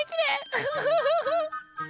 ウフフフフ。